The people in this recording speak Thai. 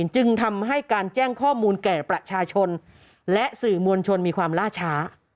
จึงทำให้การแจ้งข้อมูลแก่ประชาชนและสื่อมวลชนมีความล่าช้า